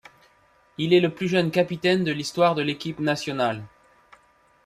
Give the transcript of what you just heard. Il est le plus jeune capitaine de l'histoire de l'équipe nationale.